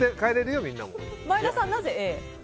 前田さん、なぜＡ？